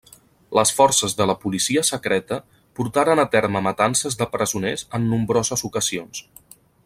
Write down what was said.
Les forces de la policia secreta portaren a terme matances de presoners en nombroses ocasions.